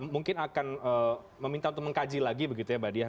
mungkin akan meminta untuk mengkaji lagi begitu ya mbak diah